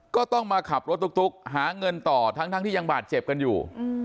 ก็ต้องมาขับรถตุ๊กหาเงินต่อทั้งที่ยังบาดเจ็บกันอยู่